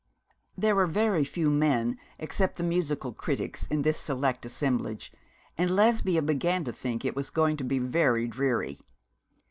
There were very few men except the musical critics in this select assemblage, and Lesbia began to think that it was going to be very dreary.